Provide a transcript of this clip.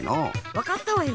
わかったわよ。